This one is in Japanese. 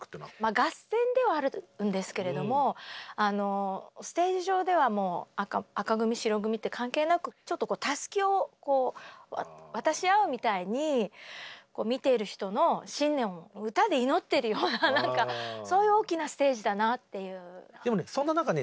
合戦ではあるんですけれどもステージ上では紅組白組って関係なくちょっとたすきを渡し合うみたいに見ている人の新年を歌で祈ってるようなそういう大きなステージだなっていう。